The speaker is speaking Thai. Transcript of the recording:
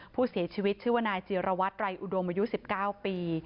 ผู้เสียชีวิตชื่อว่านายจิรวัตรไรอุดมอายุ๑๙ปี